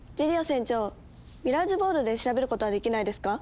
船長ミラージュボールで調べることはできないですか？